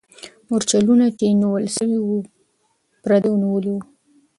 مرچلونه چې نیول سوي وو، پردیو نیولي وو.